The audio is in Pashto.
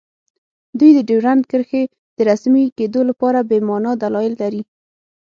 دوی د ډیورنډ کرښې د رسمي کیدو لپاره بې مانا دلایل لري